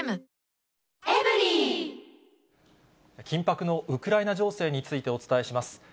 緊迫のウクライナ情勢について、お伝えします。